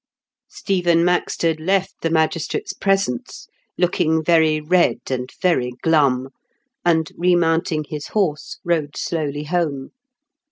Stephen Maxted left the magistrate's presence, looking very red and very glum, and, remounting his horse, rode slowly home.